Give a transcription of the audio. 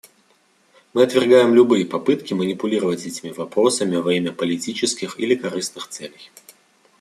Мы отвергаем любые попытки манипулировать этими вопросами во имя политических или корыстных целей.